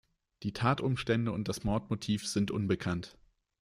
Die Tatumstände und das Mordmotiv sind unbekannt.